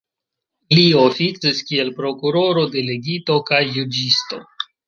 Li oficis kiel prokuroro, delegito kaj juĝisto.